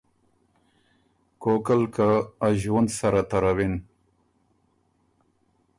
کوکل که ا ݫؤُند سره تروِن۔